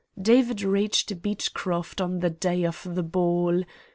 David reached Beechcroft on the day of the ball.